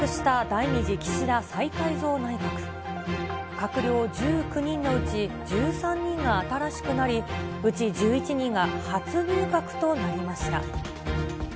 閣僚１９人のうち１３人が新しくなり、うち１１人が初入閣となりました。